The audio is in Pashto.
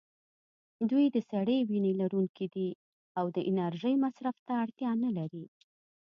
دوی د سړې وینې لرونکي دي او د انرژۍ مصرف ته اړتیا نه لري.